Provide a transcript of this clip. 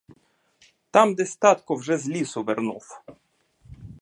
Там десь татко вже з лісу вернув.